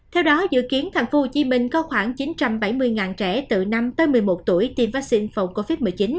theo đó dự kiến tp hcm có khoảng chín trăm bảy mươi trẻ từ năm tới một mươi một tuổi tiêm vaccine phòng covid một mươi chín